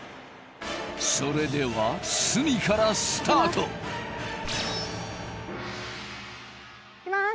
それでは鷲見からスタートいきます